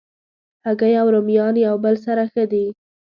هګۍ او رومیان یو بل سره ښه دي.